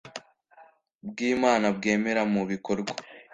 bwimana bwemera mu bikorwa